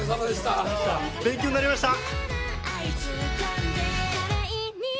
勉強になりました。